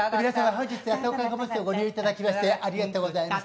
本日は当観光バスをご利用いただきましてありがとうございます。